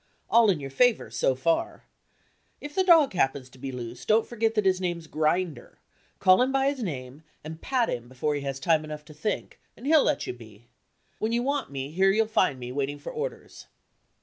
All in your favor, so far. If the dog happens to be loose, don't forget that his name's Grinder; call him by his name, and pat him before he has time enough to think, and he'll let you be. When you want me, here you'll find me waiting for orders."